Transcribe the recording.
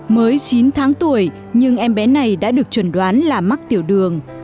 mới chín tháng tuổi nhưng em bé này đã được chuẩn đoán là mắc tiểu đường